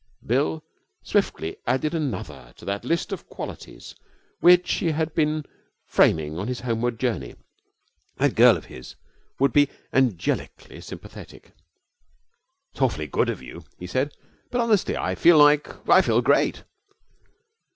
Bill swiftly added another to that list of qualities which he had been framing on his homeward journey. That girl of his would be angelically sympathetic. 'It's awfully good of you,' he said, 'but honestly I feel like I feel great.'